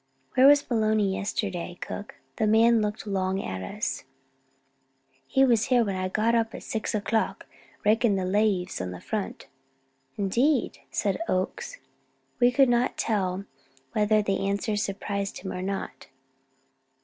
"Where was Maloney yesterday, Cook?" The man looked long at us. "He was here when I got up at six o'clock, raking the leaves on the front walk." "Indeed!" said Oakes. We could not tell whether the answer surprised him, or not.